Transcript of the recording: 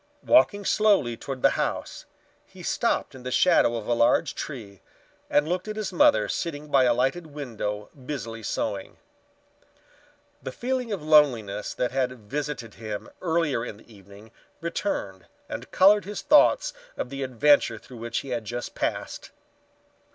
Walking slowly toward the house, he stopped in the shadow of a large tree and looked at his mother sitting by a lighted window busily sewing. The feeling of loneliness that had visited him earlier in the evening returned and colored his thoughts of the adventure through which he had just passed.